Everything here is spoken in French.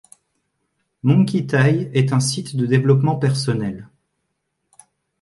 Monkey Tie est un site de développement personnel.